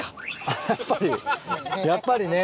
やっぱりやっぱりね。